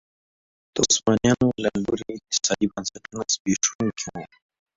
د عثمانیانو له لوري اقتصادي بنسټونه زبېښونکي وو.